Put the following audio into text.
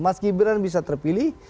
mas gibran bisa terpilih